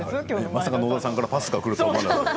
まさか野田さんからパスがくるとは。